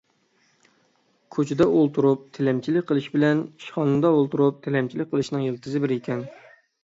كوچىدا ئولتۇرۇپ تىلەمچىلىك قىلىش بىلەن ئىشخانىدا ئولتۇرۇپ تىلەمچىلىك قىلىشنىڭ يىلتىزى بىر ئىكەن.